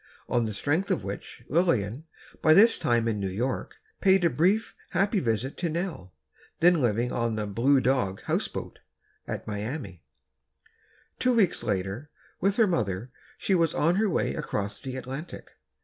On the strength of which, Lillian, by this time in New York, paid a brief, happy visit to Nell, then living on the "Blue Dog Houseboat," at Miami. Two weeks later, with her mother, she was on her way across the Atlantic.